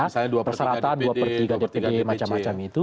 misalnya dua per tiga dpd dua per tiga dpc